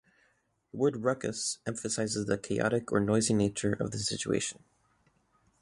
The word "ruckus" emphasizes the chaotic or noisy nature of the situation.